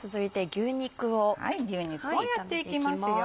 牛肉をやっていきますよ。